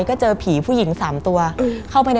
มันกลายเป็นรูปของคนที่กำลังขโมยคิ้วแล้วก็ร้องไห้อยู่